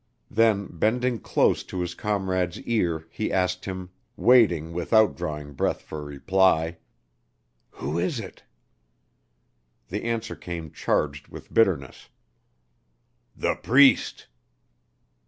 Then bending close to his comrade's ear, he asked him waiting without drawing breath for reply, "Who is it?" The answer came charged with bitterness, "The Priest!"